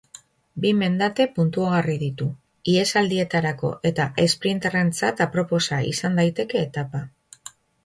Bi mendate puntuagarri ditu, ihesaldietarako eta sprinterrentzat aproposa izan daiteke etapa.